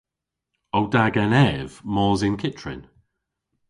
O da genev mos yn kyttrin?